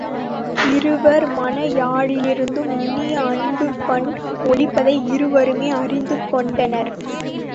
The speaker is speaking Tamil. இருவர் மன யாழிலிருந்தும் இனிய அன்புப் பண் ஒலிப்பதை இருவருமே அறிந்து கொண்டனர்.